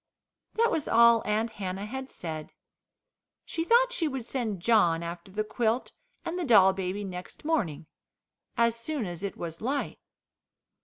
That was all Aunt Hannah had said. She thought she would send John after the quilt and the doll baby next morning as soon as it was light.